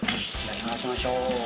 流しましょう。